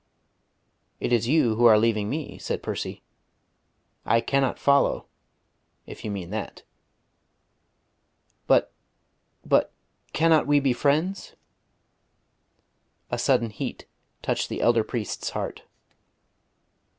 "It is you who are leaving me," said Percy. "I cannot follow, if you mean that." "But but cannot we be friends?" A sudden heat touched the elder priest's heart.